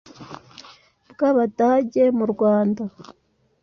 bwAbadage mu Rwanda